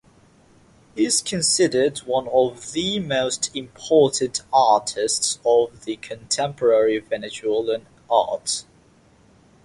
He is considered one of the most important artists of contemporary Venezuelan art.